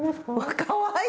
かわいい。